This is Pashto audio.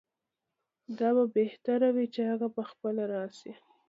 دا به بهتره وي چې هغه پخپله راشي.